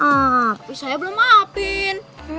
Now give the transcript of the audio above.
tapi saya belum maafin